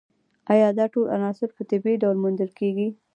ایا دا ټول عناصر په طبیعي ډول موندل کیږي